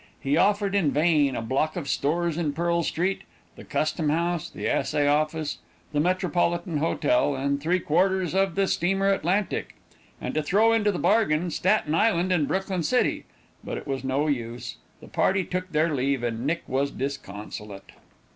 He offered in vain a block of stores in Pearl street, the Custom House, the Assay Office, the Metropolitan Hotel and three quarters of the steamer Atlantic, and to throw into the bargain Staten Island and Brooklyn City; but it was no use, the party took their leave, and Nick was disconsolate.